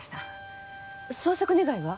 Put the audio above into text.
捜索願は？